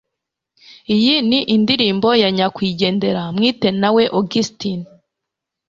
Iyi ni indirimbo ya nyakwigendera Mwitenawe Augustin.